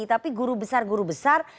tapi guru besar guru besar